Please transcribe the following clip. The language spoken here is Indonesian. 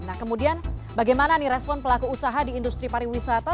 nah kemudian bagaimana nih respon pelaku usaha di industri pariwisata